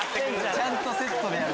ちゃんとセットでやる。